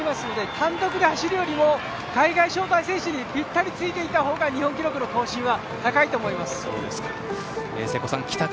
単独で走るより海外招待選手にぴったり付いていった方が更新の可能性は高いと思います。